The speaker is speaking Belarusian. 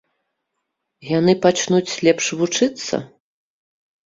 Яны пачнуць лепш вучыцца?